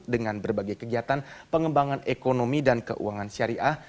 dengan berbagai kegiatan pengembangan ekonomi dan keuangan syariah